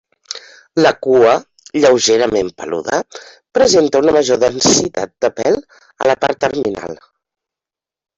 La cua, lleugerament peluda, presenta una major densitat de pèl a la part terminal.